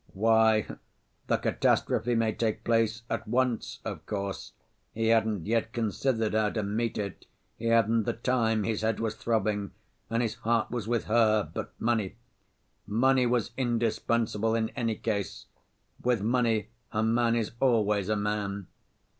Why, the catastrophe may take place at once, of course; he hadn't yet considered how to meet it, he hadn't the time, his head was throbbing and his heart was with her, but money—money was indispensable in any case! With money a man is always a man.